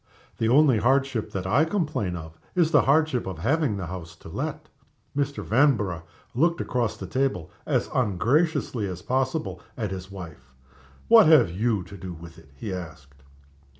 The only hardship that I complain of is the hardship of having the house to let." Mr. Vanborough looked across the table, as ungraciously as possible, at his wife. "What have you to do with it?" he asked.